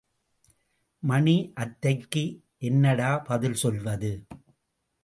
மணி, அத்தைக்கு என்னடா பதில் சொல்வது?